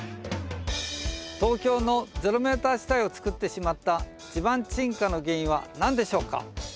東京のゼロメーター地帯をつくってしまった地盤沈下の原因は何でしょうか？